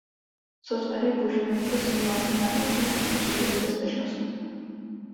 Software je používaný pro simulaci nárazu a posouzení bezpečnosti.